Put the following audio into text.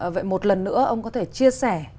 vậy một lần nữa ông có thể chia sẻ